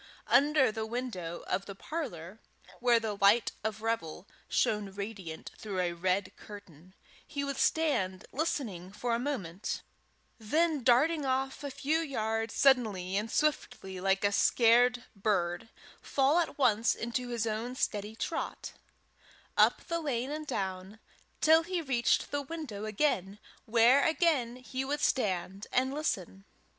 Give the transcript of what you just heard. Under the window of the parlour where the light of revel shone radiant through a red curtain, he would stand listening for a moment, then, darting off a few yards suddenly and swiftly like a scared bird, fall at once into his own steady trot up the lane and down, till he reached the window again, where again he would stand and listen.